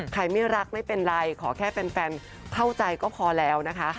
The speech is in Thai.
ไม่รักไม่เป็นไรขอแค่แฟนเข้าใจก็พอแล้วนะคะ